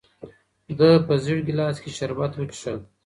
ده په زېړ ګیلاس کې شربت وڅښل.